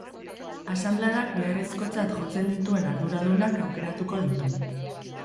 Asanbladak beharrezkotzat jotzen dituen arduradunak aukeratuko ditu.